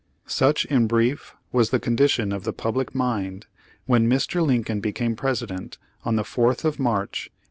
Such in brief was the condition of the public mind when Mr. Lincoln became President on the 4th of March, 1861.